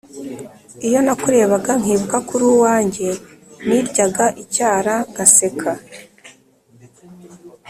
iyo nakurebaga nkibuka kuruwange niryaga icyara ngaseka"